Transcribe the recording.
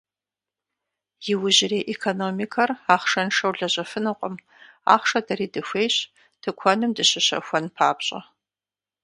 Иужьрей экономикэр ахъшэншэу лэжьэфынукъым, ахъшэ дэри дыхуейщ, тыкуэным дыщыщэхуэн папщӏэ.